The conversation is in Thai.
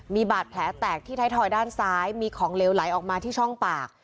มีบาดแผลแตกที่ไทยทอยด้านซ้ายมีของเหลวไหลออกมาที่ช่องปาก